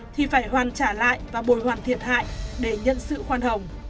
thì phải hoàn trả lại và bồi hoàn thiệt hại để nhân sự khoan hồng